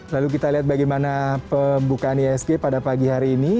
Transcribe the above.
lalu kita lihat bagaimana pembukaan isg pada pagi hari ini